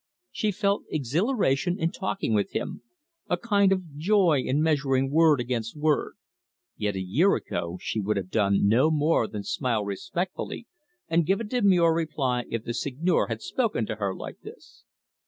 She felt exhilaration in talking with him, a kind of joy in measuring word against word; yet a year ago she would have done no more than smile respectfully and give a demure reply if the Seigneur had spoken to her like this.